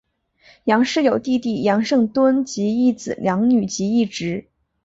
杨氏有弟弟杨圣敦及一子两女及一侄。